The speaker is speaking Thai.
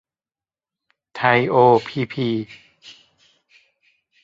ไทย โอ พี พี